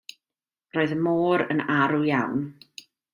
Roedd y môr yn arw iawn.